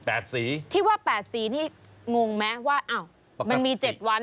สีที่ว่าแปดสีนี่งงไหมว่าอ้าวมันมีเจ็ดวัน